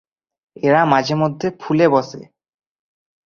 এরা মাঝেমধ্যে ফুলে বসে।